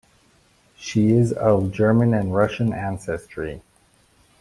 She is of German and Russian ancestry.